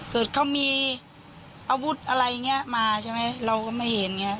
เกิดเขามีอาวุธอะไรอย่างนี้มาใช่ไหมเราก็ไม่เห็นไง